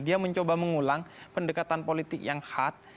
dia mencoba mengulang pendekatan politik yang hard